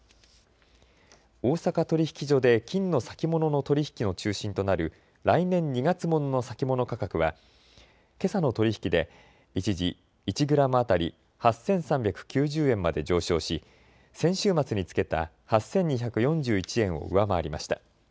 大阪取引所で金の先物の取り引きの中心となる来年２月ものの先物価格はけさの取り引きで一時、１グラム当たり８３９０円まで上昇し先週末につけた８２４１円を上回りました。